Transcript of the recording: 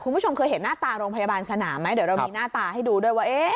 คุณผู้ชมเคยเห็นหน้าตาโรงพยาบาลสนามไหมเดี๋ยวเรามีหน้าตาให้ดูด้วยว่า